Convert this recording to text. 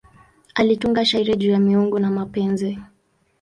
Alitunga shairi juu ya miungu na mapenzi.